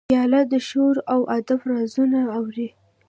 پیاله د شعرو او ادب رازونه اوري.